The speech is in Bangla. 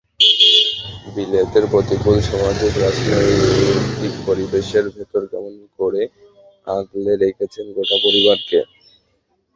বিলেতের প্রতিকূল সামাজিক-রাজনৈতিক পরিবেশের ভেতর কেমন করে আগলে রেখেছেন গোটা পরিবারকে।